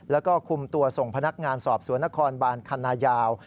แล้วก็คุมตัวส่งพนักงานสอบสวนนครบานคันนายาว